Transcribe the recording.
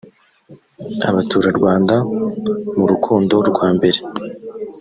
abaturarwanda m urukundo rwa mbere